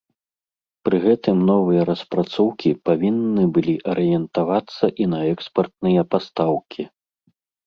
Пры гэтым новыя распрацоўкі павінны былі арыентавацца і на экспартныя пастаўкі.